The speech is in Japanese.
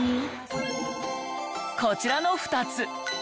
こちらの２つ。